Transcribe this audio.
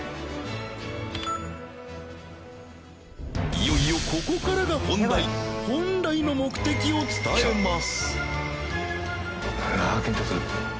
いよいよここからが本題本来の目的を伝えます